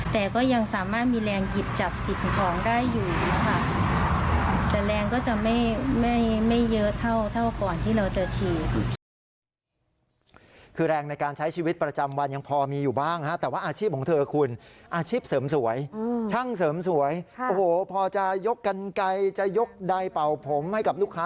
แต่ก็ยังสามารถมีแรงหยิบจับสิทธิ์ของของได้อยู่